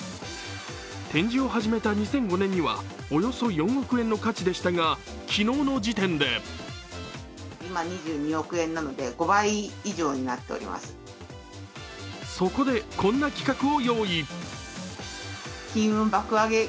展示を始めた２００５年にはおよそ４億円の価値でしたが昨日の時点でそこで、こんな企画を用意。